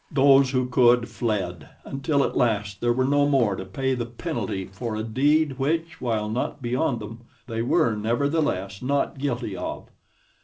Those who could fled, until at last there were no more to pay the penalty for a deed, which, while not beyond them, they were, nevertheless, not guilty of.